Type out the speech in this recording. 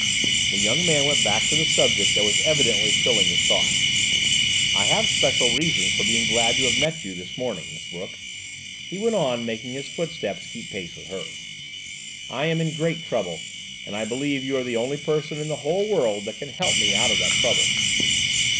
The young man went back to the subject that was evidently filling his thoughts. "I have special reasons for being glad to have met you this morning, Miss Brooke," he want on, making his footsteps keep pace with hers. "I am in great trouble, and I believe you are the only person in the whole world who can help me out of that trouble."